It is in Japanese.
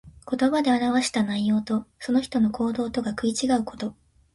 言葉で表した内容と、その人の行動とが食い違うこと。